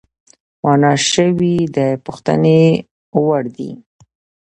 مانا شوی د پوښتنې وړدی،